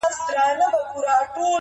چې شاعر یې لري